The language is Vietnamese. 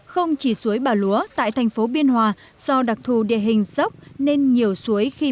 không chỉ suối bà lúa tại thành phố biên hòa do đặc thù địa hình dốc nên nhiều suối khi